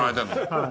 はい。